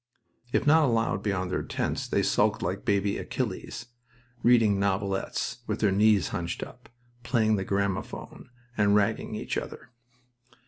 If not allowed beyond their tents, they sulked like baby Achilles, reading novelettes, with their knees hunched up, playing the gramophone, and ragging each other.